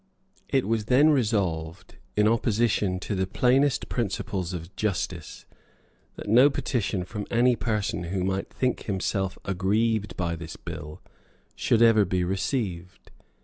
It was then resolved, in opposition to the plainest principles of justice, that no petition from any person who might think himself aggrieved by this bill should ever be received.